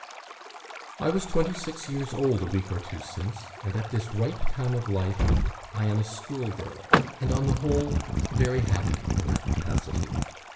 "I was twenty six years old a week or two since; and at this ripe time of life I am a school girl, and, on the whole, very happy in that capacity.